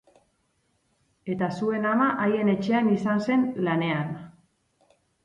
Eta zuen ama haien etxean izan zen lanean.